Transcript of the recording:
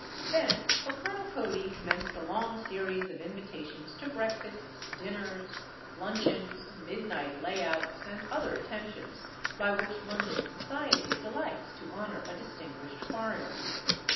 ] Then for Colonel Cody commenced a long series of invitations to breakfasts, dinners, luncheons, midnight layouts, and other attentions by which London society delights to honor a distinguished foreigner.